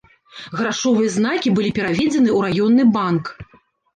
Грашовыя знакі былі пераведзены ў раённы банк.